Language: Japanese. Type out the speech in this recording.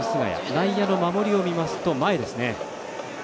内野の守りを見ますと、前ですね。